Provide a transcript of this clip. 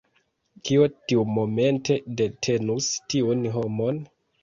Kio tiumomente detenus tiun homon?